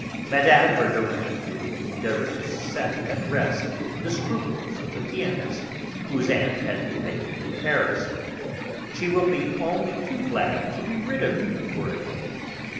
Mme. Verdurin would endeavour to set at rest the scruples of the pianist, whose aunt had remained in Paris: "She will be only too glad to be rid of you for a day.